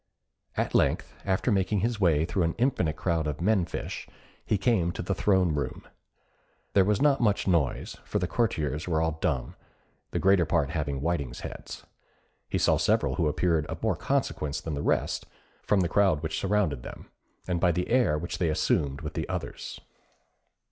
At length, after making his way through an infinite crowd of men fish, he came to the throne room. There was not much noise, for the courtiers were all dumb, the greater part having whiting's heads. He saw several who appeared of more consequence than the rest, from the crowd which surrounded them, and by the air which they assumed with the others.